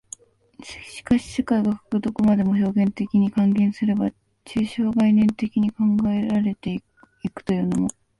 しかし世界がかく何処までも表現的に、換言すれば抽象概念的に考えられて行くというのも、